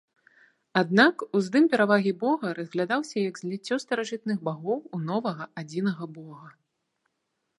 Аднак уздым перавагі бога разглядаўся як зліццё старажытных багоў у новага адзінага бога.